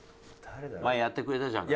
前やってくれたじゃん